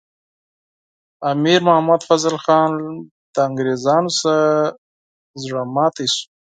امیر محمد افضل خان له انګریزانو څخه زړه ماتي شو.